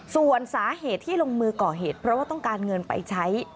ส่วนสาเหตุที่ลงมือก่อเหตุเพราะว่าต้องการเงินไปใช้